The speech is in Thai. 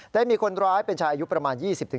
ได้มีคนร้ายเป็นชายอายุประมาณ๒๐